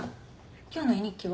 今日の絵日記は？